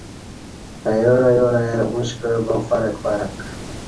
ایار ایار ای اوݩش کعہ با فرق فرق